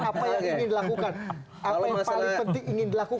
apa yang ingin dilakukan